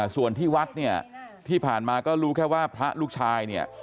ส่วนที่วัดเนี่ยที่ผ่านมาก็รู้แค่ว่าพระลูกชายเนี่ย